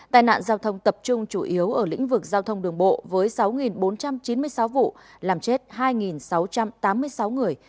tai nạn giao thông tập trung chủ yếu ở lĩnh vực giao thông đường bộ với sáu bốn trăm chín mươi sáu vụ làm chết hai sáu trăm tám mươi sáu người